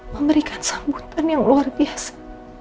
memberikan sambutan yang luar biasa